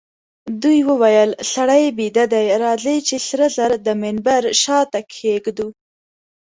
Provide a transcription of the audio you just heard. دوی وویل: سړی بیده دئ، راځئ چي سره زر د منبر شاته کښېږدو.